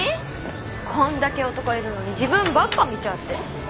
こんだけ男いるのに自分ばっか見ちゃって。